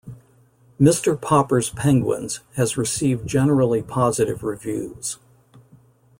"Mr. Popper's Penguins" has received generally positive reviews.